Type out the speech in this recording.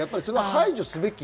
排除すべき？